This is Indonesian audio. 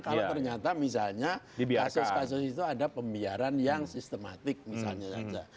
kalau ternyata misalnya kasus kasus itu ada pembiaran yang sistematik misalnya saja